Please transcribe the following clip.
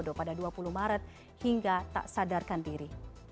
dia terburu buru pada dua puluh maret hingga tak sadarkan diri